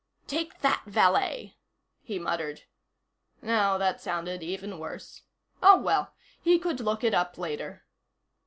"Take that, valet," he muttered. No, that sounded even worse. Oh, well, he could look it up later.